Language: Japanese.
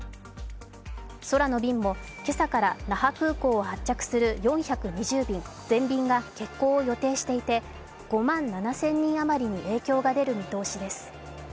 空の便も、今朝から那覇空港を発着する４２０便、全便が欠航を予定していて５万７０００人あまりに影響が出る見通しです。